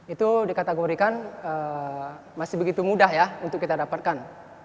itu dikategorikan masih begitu mudah ya untuk kita dapatkan